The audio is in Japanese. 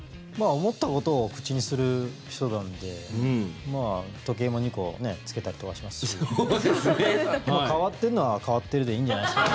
思ったことを口にする人なので時計も２個着けたりとかしますし変わっているのは変わっているでいいんじゃないですか。